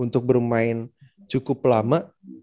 untuk bermain cukup lama